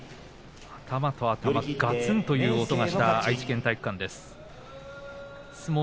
頭と頭でぶつかってがつんという音が響きました愛知県体育館です。